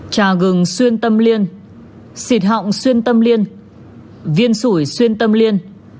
trà gừng xuyên tâm liên xịt họng xuyên tâm liên viên sủi xuyên tâm liên